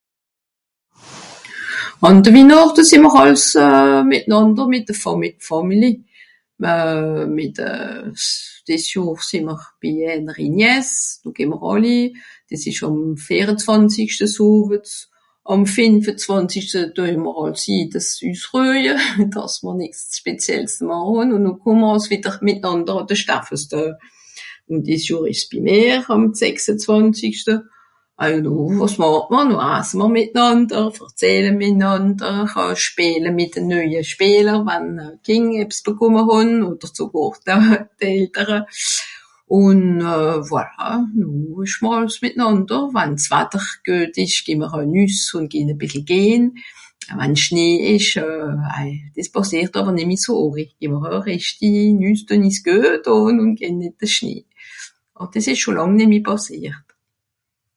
Àn de Wihnàchte sìì'mr àls euh... mìtnànder mìt de Fàmi... Fàmili. Euh mìt euh... dìs Johr sìì'mr bi èneri Nièce, do geh mr àlli, dìs ìsch àm vìerezwànzigschte zowets. Àm fìnfezwànzischte düe mr àls si z'Hüs üssruehje, dàss mr nìx speziells màche, ùn noh kùmme àls wìdder mìtnànder àn de (...). Ùn dìs Johr ìsch's bi mìr àm sechsezwànzigschte. Ah noh, wàs màche mr ? Noh asse mr mìtnànder, verzehle mìtnànder euh... spìele mìt de nöie spìeler wann e Kìnd ebbs bekùmme hàn odder zegàr d'Eltere. Ùn euh... voilà, noh ìsch (...) mìtnànder wann's Watter güet ìch gehn'mr nüss ùn gehn e bìssel gehn. Wann Schnee ìsch, ah dìs pàssìert àwer nìmm so àri. (...) güet ùn gehn ìn de Schnee. Dìs ìsch scho làng nemmi pàssìert.